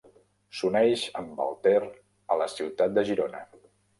S'uneix amb el Ter a la ciutat de Girona.